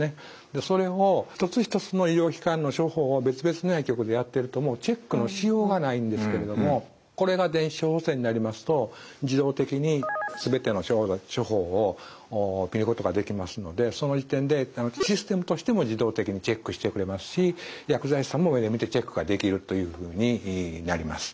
それを一つ一つその医療機関の処方を別々の薬局でやってるともうチェックのしようがないんですけれどもこれが電子処方箋になりますと自動的にすべての処方を見ることができますのでその時点でシステムとしても自動的にチェックしてくれますし薬剤師さんも目で見てチェックができるというふうになります。